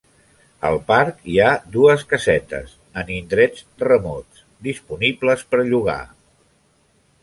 Al parc hi ha dues casetes, en indrets remots, disponibles per llogar.